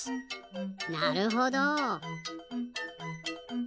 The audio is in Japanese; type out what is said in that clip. なるほど。